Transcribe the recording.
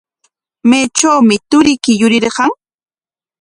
¿Maytrawmi turiyki yurirqan?